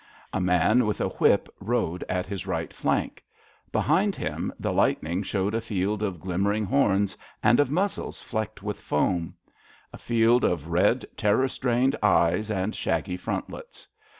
A man with a whip rode at his right flank. Be hind him the lightning showed a field of glim mering horns, and of muzzles flecked with foam; a field of red terror strained eyes and shaggy frontlets.